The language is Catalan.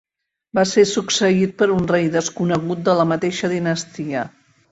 Va ser succeït per un rei desconegut de la mateixa dinastia.